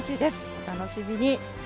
お楽しみに。